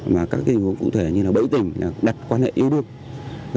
mà các tình huống cụ thể như là bẫy tỉnh đặt quan hệ yêu đương